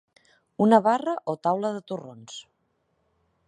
Una barra o taula de torrons.